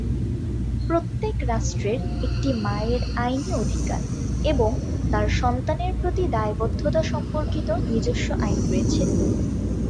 প্রত্যেক রাষ্ট্রের একটি মায়ের আইনি অধিকার এবং তার সন্তানের প্রতি দায়বদ্ধতা সম্পর্কিত নিজস্ব আইন রয়েছে।